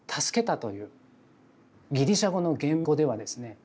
ギリシャ語の原語ではですね